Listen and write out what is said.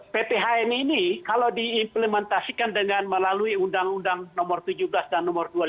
pphn ini kalau diimplementasikan dengan melalui undang undang nomor tujuh belas dan nomor dua puluh lima